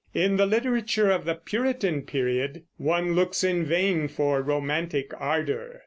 In the literature of the Puritan period one looks in vain for romantic ardor.